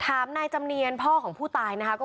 นายจำเนียนพ่อของผู้ตายนะคะ